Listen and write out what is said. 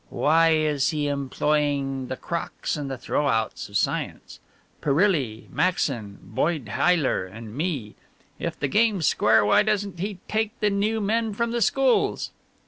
"Why is he employing the crocks and the throw outs of science? Perrilli, Maxon, Boyd, Heyler and me? If the game's square why doesn't he take the new men from the schools?"